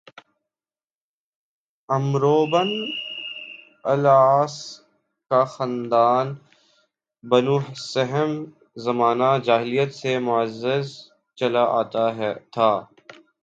"عمروبن العاص کا خاندان "بنوسہم"زمانہ جاہلیت سے معزز چلا آتا تھا"